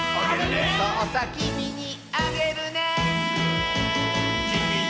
「そうさきみにあげるね」